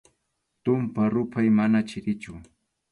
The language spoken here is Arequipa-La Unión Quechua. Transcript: Tumpa ruphaq mana chirichu.